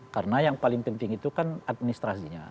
karena yang paling penting itu kan administrasinya